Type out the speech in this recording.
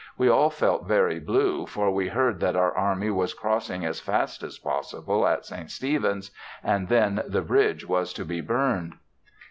We all felt very blue for we heard that our army was crossing as fast as possible at St. Stephens, and then the bridge was to be burned.